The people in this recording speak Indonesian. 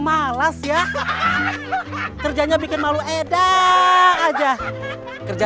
ayo kita merayakan kebebasan kita